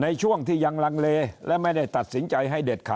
ในช่วงที่ยังลังเลและไม่ได้ตัดสินใจให้เด็ดขาด